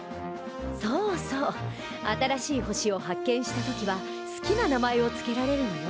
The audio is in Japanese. そうそう新しい星を発見した時は好きな名前を付けられるのよ！